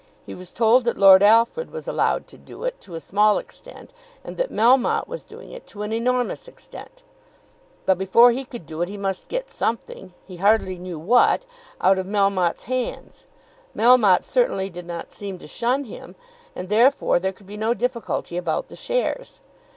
He was told that Lord Alfred was allowed to do it to a small extent; and that Melmotte was doing it to an enormous extent. But before he could do it he must get something, he hardly knew what, out of Melmotte's hands. Melmotte certainly did not seem disposed to shun him, and therefore there could be no difficulty about the shares.